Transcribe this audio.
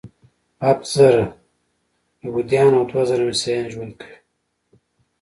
هفت زره یهودان او دوه زره مسیحیان ژوند کوي.